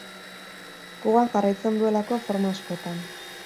Gugan jarraitzen duelako forma askotan.